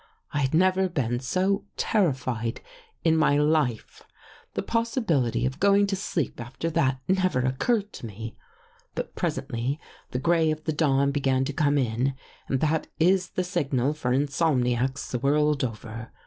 I had never been so terrified in my life. The possibility of going to sleep after that never occurred to me. But pres ently the gray of the dawn began to come in and that is the signal for insomniacs the world over.